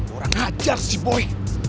orang ajar si boy